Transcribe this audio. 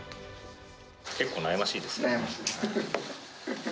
結構、悩ましいですね。